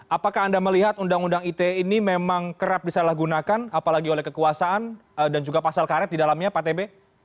apakah anda melihat undang undang ite ini memang kerap disalahgunakan apalagi oleh kekuasaan dan juga pasal karet di dalamnya pak tb